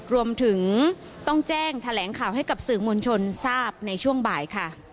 รวมถึงต้องแจ้งแถลงข่าวให้กับสื่อมวลชนทราบในช่วงบ่ายค่ะ